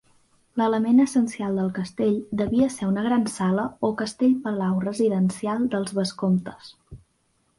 L'element essencial del castell devia ser una gran sala o castell palau residencial dels vescomtes.